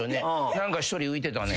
「何か一人浮いてたね」